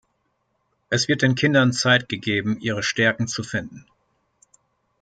Es wird den Kindern Zeit gegeben, ihre Stärken zu finden.